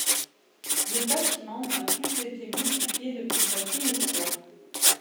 Le bâtiment n'a plus été modifié depuis sa finition.